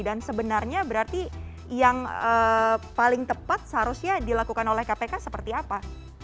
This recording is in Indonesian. dan sebenarnya berarti yang paling tepat seharusnya dilakukan oleh kpk seperti apa